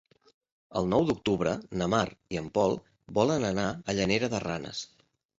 El nou d'octubre na Mar i en Pol volen anar a Llanera de Ranes.